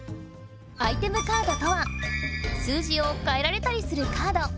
アイテムカードとは数字をかえられたりするカード。